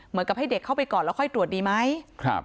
เหมือนกับให้เด็กเข้าไปก่อนแล้วค่อยตรวจดีไหม